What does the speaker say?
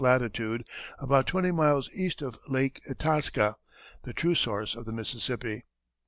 latitude, about twenty miles east of Lake Itasca, the true source of the Mississippi.